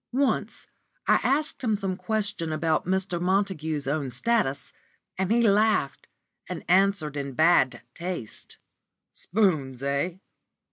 Once I asked him some question about Mr. Montague's own status, and he laughed, and answered in bad taste "Spoons, eh?